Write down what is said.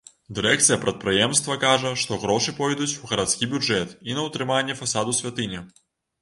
Дырэкцыя прадпрыемства кажа, што грошы пойдуць у гарадскі бюджэт і на ўтрыманне фасаду святыні.